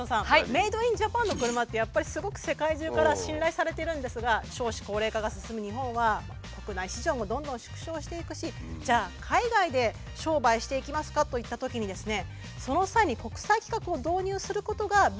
メードインジャパンの車ってやっぱりすごく世界中から信頼されてるんですが少子高齢化が進む日本は国内市場もどんどん縮小していくしじゃあ海外で商売していきますかといったときにですね